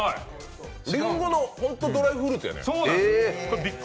りんごの、ホントドライフルーツやね。